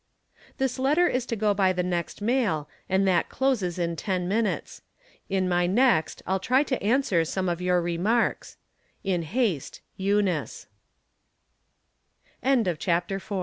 This letter is to go by the next mail, and that closes in ten minutes. In my next I'll try to answer some of your remarks. In ha